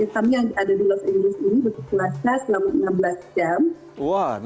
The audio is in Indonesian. kami yang ada di los angeles ini berpuasa selama enam belas jam